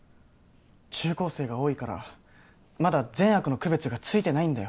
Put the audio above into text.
中高生が多いからまだ善悪の区別がついてないんだよ。